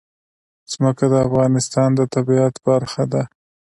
ځمکه د افغانستان د طبیعت برخه ده.